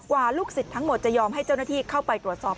ลูกศิษย์ทั้งหมดจะยอมให้เจ้าหน้าที่เข้าไปตรวจสอบ